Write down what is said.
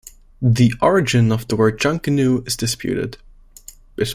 The origin of the word "junkanoo" is disputed.